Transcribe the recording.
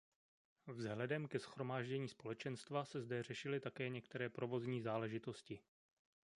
Vzhledem ke shromáždění společenstva se zde řešily také některé provozní záležitosti.